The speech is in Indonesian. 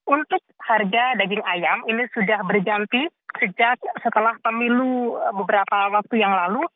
untuk harga daging ayam ini sudah berganti sejak setelah pemilu beberapa waktu yang lalu